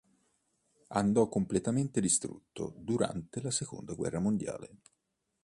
Andò completamente distrutto durante la seconda guerra mondiale.